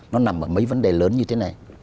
nó nằm ở mấy vấn đề lớn như thế này